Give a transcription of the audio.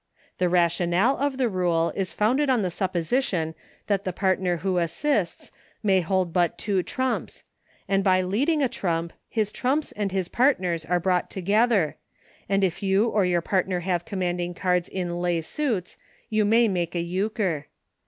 The rationale of the rule is founded on the supposition that the player who assists may hold but two trumps, and by leading a trump, his trumps and his partner's are brought together, and if you or your partner have commanding cards in lay suits you may make a Euchre.